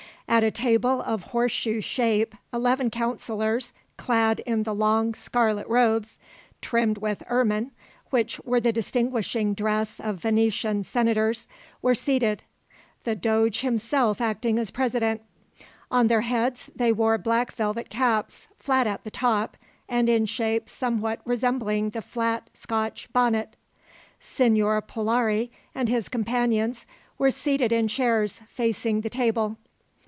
At a table of horseshoe shape eleven councillors, clad in the long scarlet robes, trimmed with ermine, which were the distinguishing dress of Venetian senators, were seated the doge himself acting as president. On their heads they wore black velvet caps, flat at the top, and in shape somewhat resembling the flat Scotch bonnet. Signor Polani and his companions were seated in chairs, facing the table.